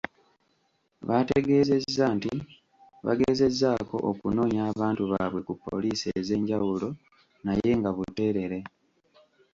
Baategeezezza nti bagezezzaako okunoonya abantu baabwe ku Poliisi ez'enjawulo naye nga buteerere.